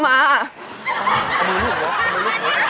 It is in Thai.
มารอแฟน